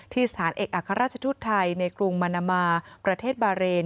สถานเอกอัครราชชุดไทยในกรุงมานามาประเทศบาเรน